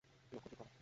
লক্ষ্য ঠিক করো।